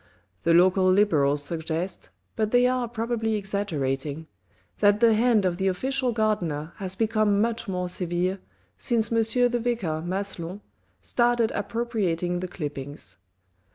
The local Liberals suggest, but they are probably exaggerating, that the hand of the official gardener has become much more severe, since M. the Vicar Maslon started appropriating the clippings.